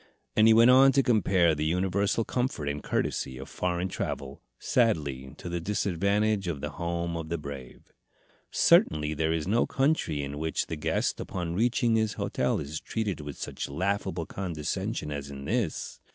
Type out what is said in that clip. And he went on to compare the universal comfort and courtesy of foreign travel, sadly to the disadvantage of the home of the brave. "Certainly there is no country in which the guest upon reaching his hotel is treated with such laughable condescension as in this.